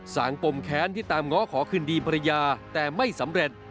งปมแค้นที่ตามง้อขอคืนดีภรรยาแต่ไม่สำเร็จ